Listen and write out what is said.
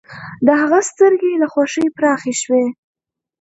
د هغه سترګې له خوښۍ پراخې شوې